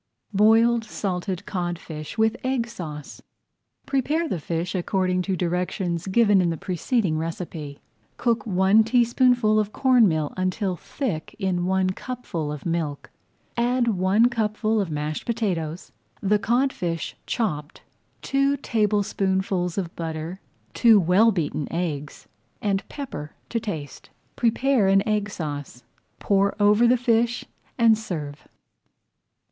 BOILED SALTED CODFISH WITH EGG SAUCE Prepare the fish according to directions given in the preceding recipe. Cook one teaspoonful [Page 96] of corn meal until thick in one cupful of milk, add one cupful of mashed potatoes, the codfish chopped, two tablespoonfuls of butter, two well beaten eggs, and pepper to taste. Prepare an Egg Sauce, pour over the fish, and serve.